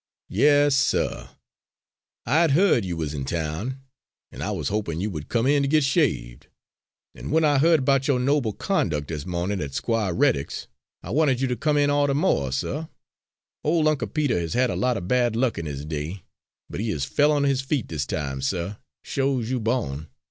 "Yes, suh; I had heard you wuz in town, an' I wuz hopin' you would come in to get shaved. An' w'en I heard 'bout yo' noble conduc' this mawnin' at Squire Reddick's I wanted you to come in all de mo', suh. Ole Uncle Peter has had a lot er bad luck in his day, but he has fell on his feet dis time, suh, sho's you bawn.